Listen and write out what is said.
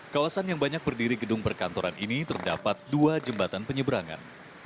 kawasan yang banyak berdiri gedung perkantoran ini terdapat dua jembatan penyeberangan